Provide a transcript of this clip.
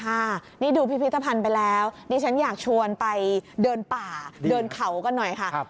ค่ะนี่ดูพิพิธภัณฑ์ไปแล้วดิฉันอยากชวนไปเดินป่าเดินเขากันหน่อยค่ะ